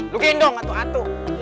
lu pindah atuh atuh